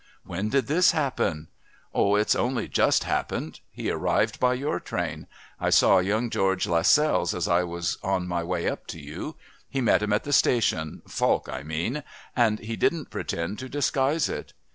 "When did this happen?" "Oh, it's only just happened. He arrived by your train. I saw young George Lascelles as I was on my way up to you. He met him at the station Falk, I mean and he didn't pretend to disguise it.